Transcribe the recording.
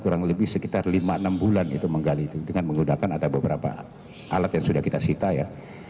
kurang lebih sekitar lima enam bulan itu menggali itu dengan menggunakan ada beberapa alat yang sudah kita sita ya